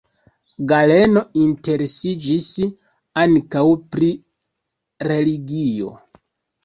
Galeno interesiĝis ankaŭ pri religio.